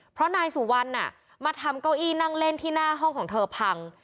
เพราะนายสุวรรณมาทำเก้าอี้นั่งเล่นที่หน้าห้องของเธอพัง